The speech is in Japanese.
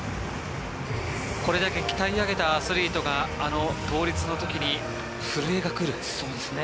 これだけ鍛え上げたアスリートが倒立の時に震えが来る。